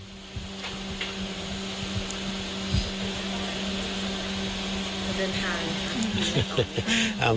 ก็เดินทาง